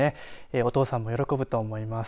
お父さんも喜ぶと思います。